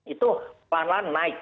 itu pelan pelan naik